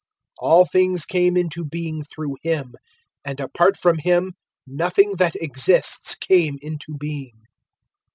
001:003 All things came into being through Him, and apart from Him nothing that exists came into being.